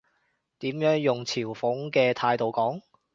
點樣用嘲諷嘅態度講？